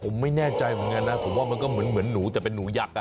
ผมไม่แน่ใจเหมือนกันนะมันเหมือนหนูที่เป็นหนูยักษ์